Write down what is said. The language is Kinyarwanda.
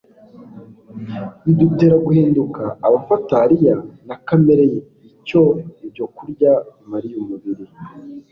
bidutera guhinduka abafatariya na kamere ye. Icyo ibyo kurya bimarira umubiri,